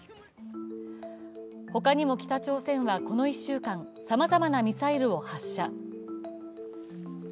他にも北朝鮮はこの１週間、さまざまなミサイルを発射。